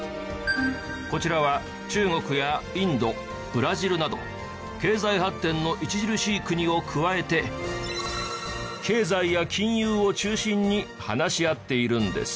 こちらは中国やインドブラジルなど経済発展の著しい国を加えて経済や金融を中心に話し合っているんです。